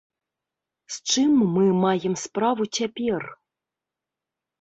З чым мы маем справу цяпер?